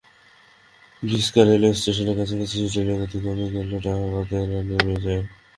বিসকা railway স্টেশনের কাছাকাছি এসে ট্রেনের গতি কমে গেলে ডাকাতেরা নেমে যায়।